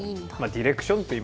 ディレクションねはい。